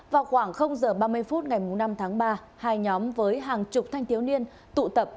vào khoảng h ba mươi phút ngày năm tháng ba hai nhóm với hàng chục thanh thiếu niên tụ tập